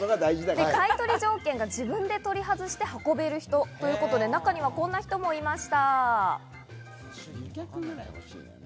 買い取り条件が自分で取り外して運べる人ということで、中にはこんな人もいました。